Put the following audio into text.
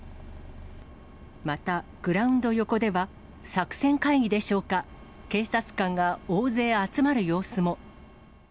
またグラウンド横では、作戦会議でしょうか、警察官が大勢集まる様子も。